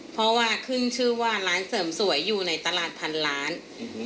เพราะว่าขึ้นชื่อว่าร้านเสริมสวยอยู่ในตลาดพันล้าน